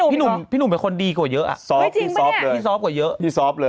พี่หนูเป็นคนดีกว่าเยอะอะพี่ซอฟต์เลยพี่ซอฟต์เลยพี่ซอฟต์